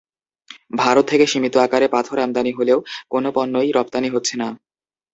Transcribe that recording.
ভারত থেকে সীমিত আকারে পাথর আমদানি হলেও কোনো পণ্যই রপ্তানি হচ্ছে না।